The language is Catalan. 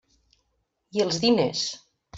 I els diners?